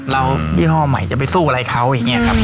ยี่ห้อใหม่จะไปสู้อะไรเขาอย่างนี้ครับ